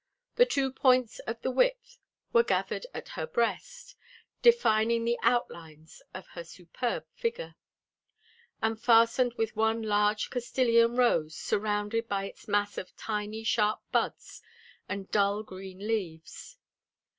The two points of the width were gathered at her breast, defining the outlines of her superb figure, and fastened with one large Castilian rose surrounded by its mass of tiny sharp buds and dull green leaves.